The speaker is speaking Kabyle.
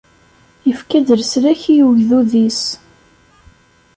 Ifka-d leslak i ugdud-is.